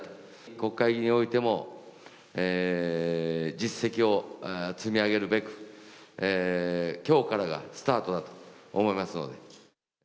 国会においても、実績を積み上げるべく、きょうからがスタートだと思いますので。